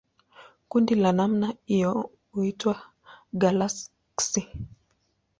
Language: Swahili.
Kundi la namna hiyo huitwa galaksi.